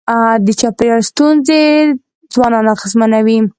د چاپېریال ستونزې ځوانان اغېزمنوي.